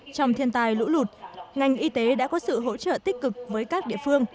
trong thiên tài lũ lụt ngành y tế đã có sự hỗ trợ tích cực với các địa phương